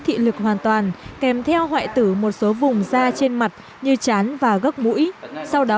thị lực hoàn toàn kèm theo hoại tử một số vùng da trên mặt như chán và gốc mũi sau đó